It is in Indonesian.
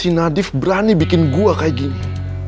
si nadif berani bikin gua kayak gini